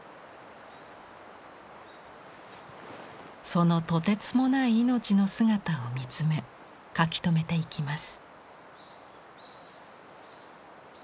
そのとてつもない命の姿を見つめ描きとめていきます。